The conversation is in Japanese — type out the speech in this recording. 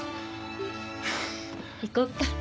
行こっか。